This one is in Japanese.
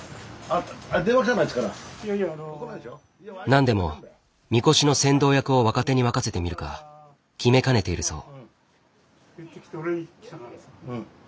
何でもみこしの先導役を若手に任せてみるか決めかねているそう。